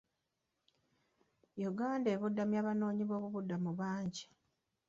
Uganda ebudamya abanoonyiboobubuddamu bangi.